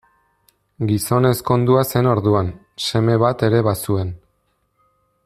Gizon ezkondua zen orduan, seme bat ere bazuen.